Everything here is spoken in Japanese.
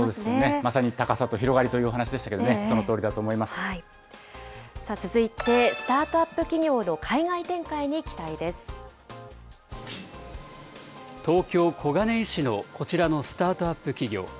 まさに高さと広がりというお話でしたけどね、そ続いてスタートアップ企業の東京・小金井市のこちらのスタートアップ企業。